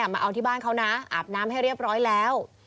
มาเอาที่บ้านเขานะอาบน้ำให้เรียบร้อยแล้ว